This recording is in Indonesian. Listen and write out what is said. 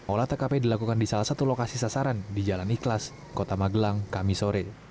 olah tkp dilakukan di salah satu lokasi sasaran di jalan ikhlas kota magelang kami sore